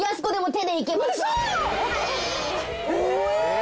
え？